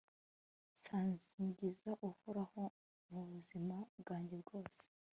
nzasingiza uhoraho mu buzima bwanjye bwose